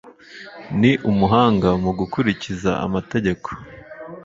Ni umuhanga mu gukurikiza amategeko.